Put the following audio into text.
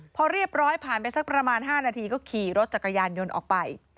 พอเรียบร้อยผ่านไปสักประมาณ๕นาทีก็ขี่รถจักรยานยนต์ออกไป